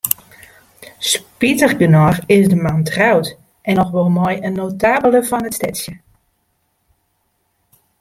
Spitigernôch is de man troud, en noch wol mei in notabele fan it stedsje.